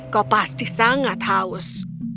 kau pasti sangat haus